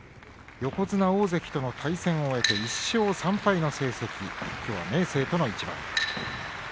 横綱大関との対戦を終えて１勝３敗の成績きょうは明生戦です。